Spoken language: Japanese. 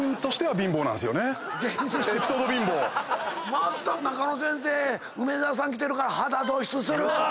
また中野先生梅沢さん来てるから肌露出する！